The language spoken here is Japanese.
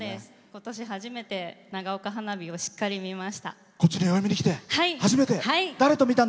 今年初めて長岡花火をしっかり見ました。